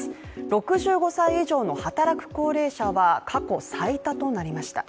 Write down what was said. ６５歳以上の働く高齢者は過去最多となりました。